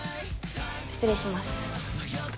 失礼します。